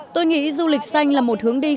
tôi nghĩ du lịch xanh là một hướng đi